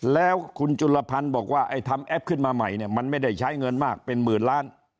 แล้วคุณจุลพันธ์บอกว่าไอ้ทำแอปขึ้นมาใหม่เนี่ยมันไม่ได้ใช้เงินมากเป็นหมื่นล้าน